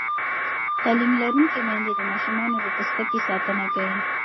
تعلیم لرونکې میندې د ماشومانو د پوستکي ساتنه کوي.